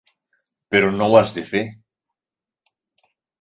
Però no ho has de fer!